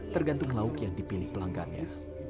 tergantung lauk yang dipilih pelanggannya